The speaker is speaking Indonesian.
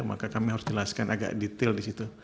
maka kami harus jelaskan agak detail di situ